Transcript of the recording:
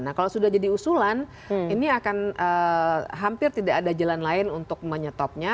nah kalau sudah jadi usulan ini akan hampir tidak ada jalan lain untuk menyetopnya